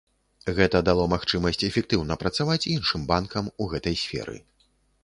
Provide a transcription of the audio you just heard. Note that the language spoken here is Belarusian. Гэта дало магчымасць эфектыўна працаваць іншым банкам у гэтай сферы.